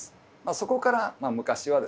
そこから昔はですね